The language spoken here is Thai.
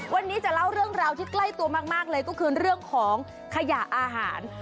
วันนี้จะเล่าเรื่องราวที่ใกล้ตัวมากเลยก็คือเรื่องของขยะอาหาร